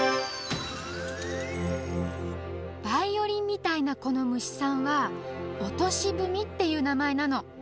バイオリンみたいなこのむしさんはオトシブミっていうなまえなの。